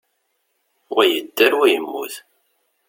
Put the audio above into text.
Wa yedder, wa yemmut.